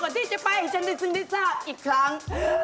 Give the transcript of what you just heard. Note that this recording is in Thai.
ที่จะไปให้ฉันได้ซึ่งได้ทราบอีกครั้ง